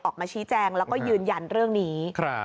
ออกมาชี้แจงแล้วก็ยืนยันเรื่องนี้